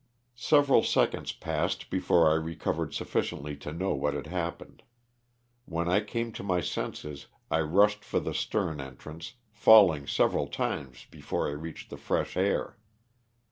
Several seconds passed before I recovered sufficiently to know what had happened. When I came to my senses I rushed for the stern entrance, falling several times before I reached the fresh air.